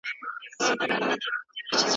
آیا پسرلنی باران تر مني باران زیات دی؟